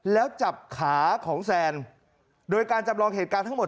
แล้วจับขาของแซนโดยการจำลองเหตุการณ์ทั้งหมด